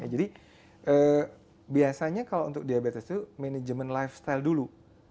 jadi biasanya kalau untuk diabetes itu manajemen lifestyle dulu